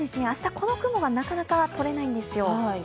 明日、この雲がなかなかとれないんですよ。